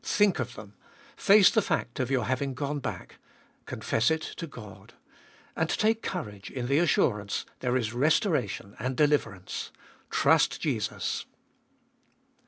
Think of them. Face the fact of your having gone bach. Confess it to God. And take courage in the assurance, there is restora tion and deliverance. Trust Jesus.